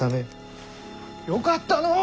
よかったのう！